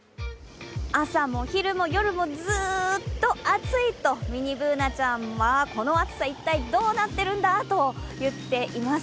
朝も昼も夜もずーっと暑いとミニＢｏｏｎａちゃんはこの暑さ一体どうなっているんだ？と言っています。